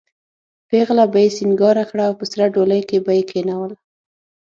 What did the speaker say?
پېغله به یې سینګاره کړه او په سره ډولۍ کې به یې کېنوله.